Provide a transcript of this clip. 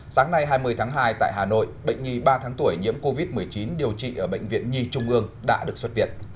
sáng nay hai mươi tháng hai tại hà nội bệnh nhi ba tháng tuổi nhiễm covid một mươi chín điều trị ở bệnh viện nhi trung ương đã được xuất viện